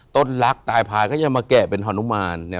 ต้นลักษณ์ตายพลายก็ยังมาแกะเป็นฮณุมาร